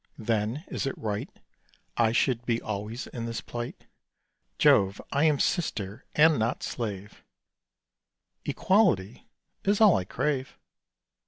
Then, is it right I should be always in this plight? Jove! I am sister, and not slave: Equality is all I crave.